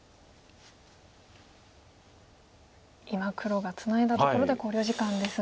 今黒がツナいだところで考慮時間ですが。